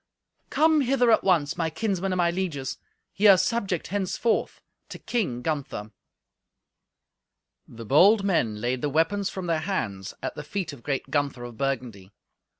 "Come hither at once, my kinsmen and my lieges. Ye are subject henceforth to King Gunther." The bold men laid the weapons from their hands at the feet of great Gunther of Burgundy.